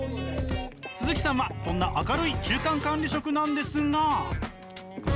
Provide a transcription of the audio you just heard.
鈴木さんはそんな明るい中間管理職なんですが。